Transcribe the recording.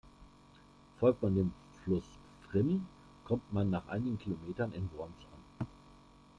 Folgt man dem Fluss Pfrimm kommt man nach einigen Kilometern in Worms an.